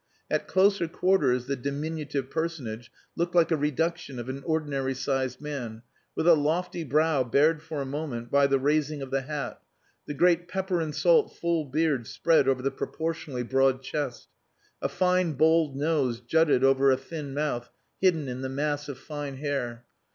At closer quarters the diminutive personage looked like a reduction of an ordinary sized man, with a lofty brow bared for a moment by the raising of the hat, the great pepper and salt full beard spread over the proportionally broad chest. A fine bold nose jutted over a thin mouth hidden in the mass of fine hair.